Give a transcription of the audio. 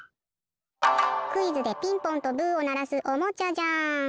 クイズでピンポンとブーをならすおもちゃじゃん！